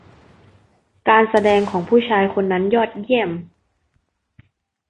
การแสดงของผู้ชายคนนั้นยอดเยี่ยม